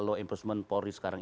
law enforcement polri sekarang